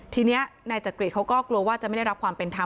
ทีนี้นายจักริตเขาก็กลัวว่าจะไม่ได้รับความเป็นธรรม